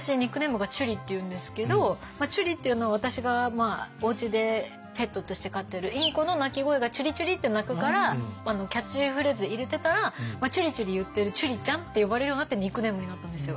なんで私「ちゅり」っていうのは私がおうちでペットとして飼ってるインコの鳴き声が「ちゅりちゅり」って鳴くからキャッチフレーズで入れてたら「ちゅりちゅり」言ってる「ちゅりちゃん」って呼ばれるようになってニックネームになったんですよ。